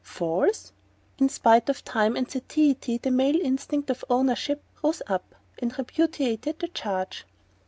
"False ?" In spite of time and satiety, the male instinct of ownership rose up and repudiated the charge.